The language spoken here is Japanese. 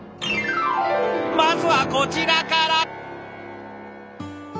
まずはこちらから！